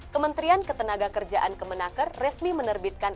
kementerian ketenagakerjaan kemenaker resmi menerbitkan